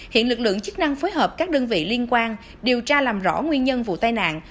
hiện lực lượng chức năng phối hợp các đơn vị liên quan điều tra làm rõ nguyên nhân vụ tai nạn